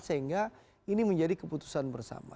sehingga ini menjadi keputusan bersama